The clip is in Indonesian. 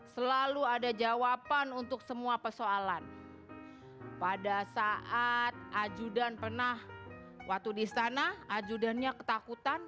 selalu ada jawaban untuk semua persoalan pada saat ajudan pernah waktu di istana ajudannya ketakutan